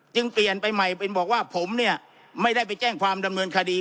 เปลี่ยนไปใหม่เป็นบอกว่าผมเนี่ยไม่ได้ไปแจ้งความดำเนินคดี